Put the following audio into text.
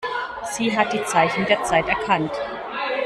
Sie hat die Zeichen der Zeit erkannt.